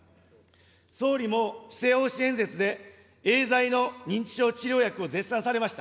総理も施政方針演説で、エーザイの認知症治療薬を絶賛されました。